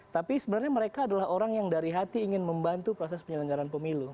tapi sebenarnya mereka adalah orang yang dari hati ingin membantu proses penyelenggaran pemilu